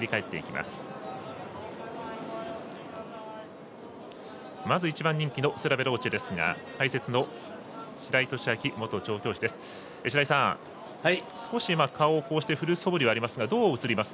まず１番人気のステラヴェローチェですが解説の白井寿昭元調教師です。